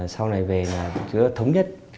sau này về là thống nhất